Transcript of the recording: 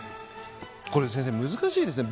これ先生、難しいですね。